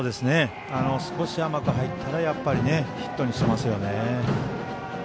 少し甘く入ったらヒットにしてますよね。